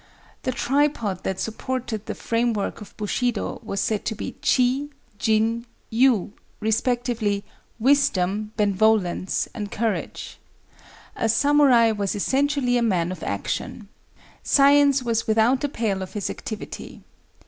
The tripod that supported the framework of Bushido was said to be Chi, Jin, Yu, respectively Wisdom, Benevolence, and Courage. A samurai was essentially a man of action. Science was without the pale of his activity.